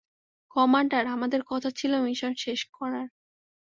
Commander, আমাদের কথা ছিলো মিশন শেষ করার।